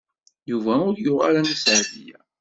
Yuba ur yuɣ ara Nna Seɛdiya.